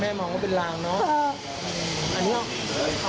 แม่มองว่าเป็นหลังเนอะ